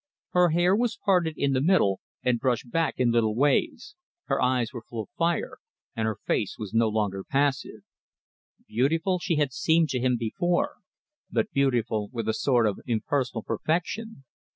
Her hair was parted in the middle and brushed back in little waves, her eyes were full of fire, and her face was no longer passive. Beautiful she had seemed to him before, but beautiful with a sort of impersonal perfection.